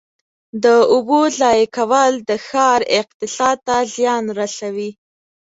د اوبو ضایع کول د ښار اقتصاد ته زیان رسوي.